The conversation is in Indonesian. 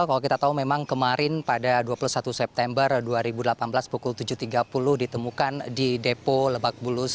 kalau kita tahu memang kemarin pada dua puluh satu september dua ribu delapan belas pukul tujuh tiga puluh ditemukan di depo lebak bulus